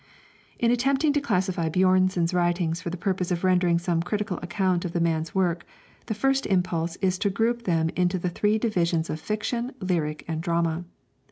In attempting to classify Björnson's writings for the purpose of rendering some critical account of the man's work, the first impulse is to group them into the three divisions of fiction, lyric, and drama.